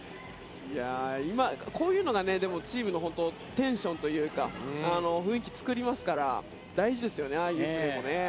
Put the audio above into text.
こういうのがチームのテンションというか雰囲気を作りますから大事ですよねああいうプレーもね。